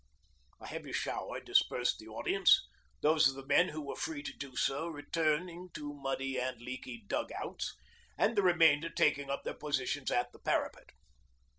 A heavy shower dispersed the audiences, those of the men who were free to do so returning to muddy and leaky dug outs, and the remainder taking up their positions at the parapet.